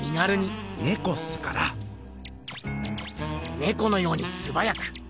ねこのようにすばやく。